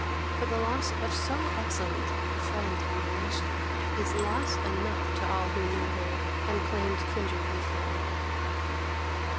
For the loss of so excellent a friend and relation, is loss enough to all who knew her, and claimed kindred with her.